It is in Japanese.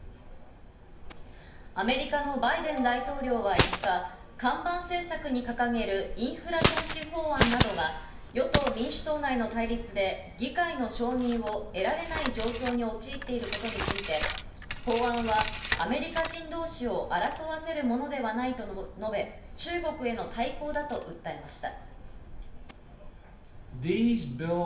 アメリカのバイデン大統領は５日、看板政策に掲げるインフラ投資法案などが与党・民主党内の対立で議会の承認を得られない状況に陥っていることについて、法案はアメリカ人同士を争わせるものではないと述べ、中国への対抗だと訴えました。